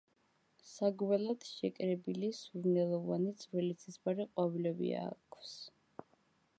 საგველად შეკრებილი, სურნელოვანი, წვრილი ცისფერი ყვავილები აქვს.